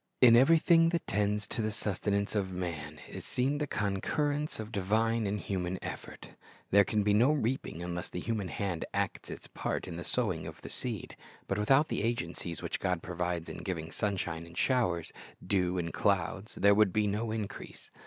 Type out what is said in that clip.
In everything that tends to the sustenance of man is seen the concurrence of divine and human effort. There can be no reaping unless the human hand acts its part in the sowing of the seed. But without the agencies which God provides in giving sunshine and showers, dew and clouds, there would be no increase.